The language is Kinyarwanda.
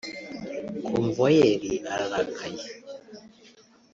Convoyeur ararakaye